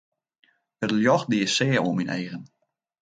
It ljocht die sear oan myn eagen.